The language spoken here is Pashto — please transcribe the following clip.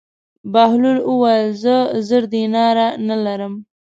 بهلول وویل: زه زر دیناره نه لرم.